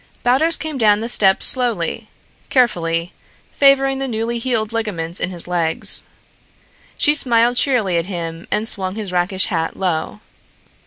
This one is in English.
Baldos came down the steps slowly, carefully, favoring the newly healed ligaments in his legs. She smiled cheerily at him and he swung his rakish hat low.